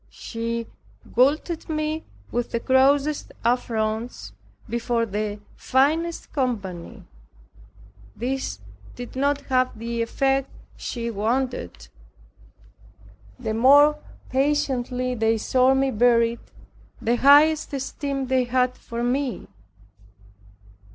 She galled me with the grossest affronts before the finest company. This did not have the effect she wanted; the more patiently they saw me bear it, the higher esteem they had for me.